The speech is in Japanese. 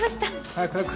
早く早く。